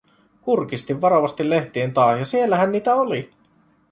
Kurkistin varovasti lehtien taa, ja siellähän niitä oli.